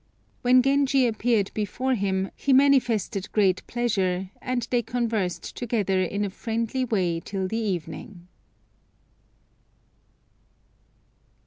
When Genji appeared before him, he manifested great pleasure, and they conversed together in a friendly way till the evening.